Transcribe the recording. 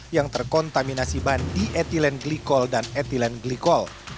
yang terkontaminasi ban di etilen glikol dan etilen glikol